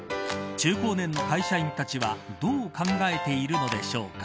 中高年の会社員たちはどう考えているのでしょうか。